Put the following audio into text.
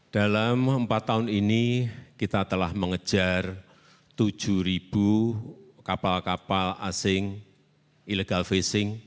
dalam empat tahun ini kita telah mengejar tujuh kapal kapal asing illegal facing